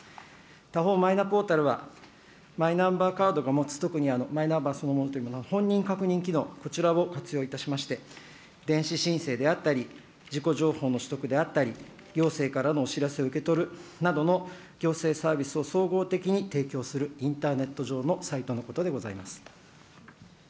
他方、マイナポータルは、マイナンバーカードが持つ、特にマイナンバーそのものという、本人確認機能、こちらを活用いたしまして、電子申請であったり、自己情報の取得であったり、行政からのお知らせを受け取るなどの行政サービスを総合的に提供するインターネット上のサイトのことでございます。